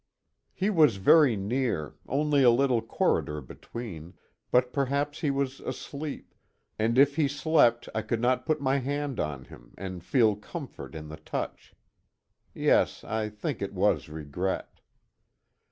He was very near only a little corridor between, but perhaps he was asleep, and if he slept I could not put my hand on him and feel comfort in the touch. Yes, I think it was regret.